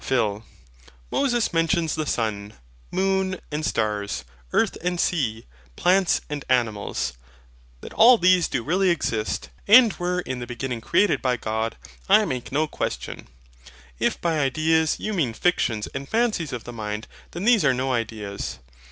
PHIL. Moses mentions the sun, moon, and stars, earth and sea, plants and animals. That all these do really exist, and were in the beginning created by God, I make no question. If by IDEAS you mean fictions and fancies of the mind, then these are no ideas.